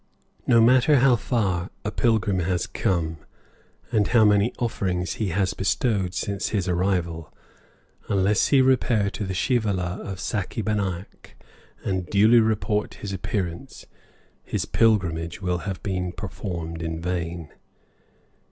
No matter how far a pilgrim has come, and how many offerings he has bestowed since his arrival, unless he repair to the shivala of Sakhi Banaik and duly report his appearance, his pilgrimage will have been performed in vain.